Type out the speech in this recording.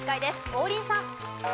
王林さん。